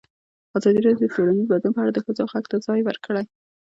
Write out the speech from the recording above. ازادي راډیو د ټولنیز بدلون په اړه د ښځو غږ ته ځای ورکړی.